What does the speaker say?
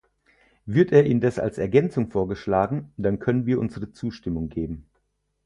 Wird er indes als Ergänzung vorgeschlagen, dann können wir unsere Zustimmung geben.